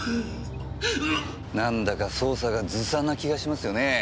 なんだか捜査がずさんな気がしますよね。